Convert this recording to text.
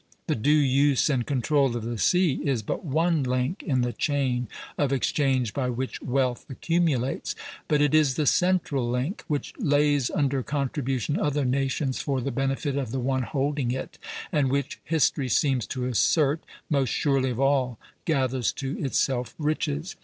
The due use and control of the sea is but one link in the chain of exchange by which wealth accumulates; but it is the central link, which lays under contribution other nations for the benefit of the one holding it, and which, history seems to assert, most surely of all gathers to itself riches.